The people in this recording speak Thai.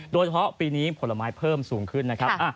โดยเฉพาะปีนี้ผลไม้เพิ่มสูงขึ้นนะครับ